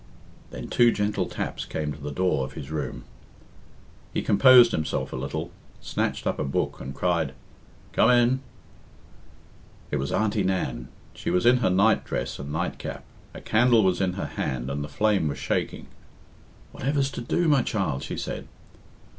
Then two gentle taps came to the door of his room. He composed himself a little, snatched up a book, and cried "Come in!" It was Auntie Nan. She was in her night dress and night cap. A candle was in her hand, and the flame was shaking. "Whatever's to do, my child?" she said.